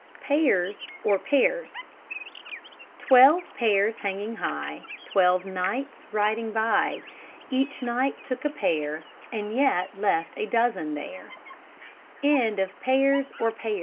PAIRS OR PEARS Twelve pairs hanging high, Twelve knights riding by, Each knight took a pear, And yet left a dozen there.